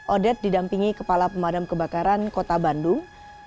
odet didampingi kepala pemadam kebakaran kota bandung